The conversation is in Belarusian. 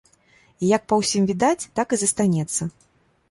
І, як па ўсім відаць, так і застанецца.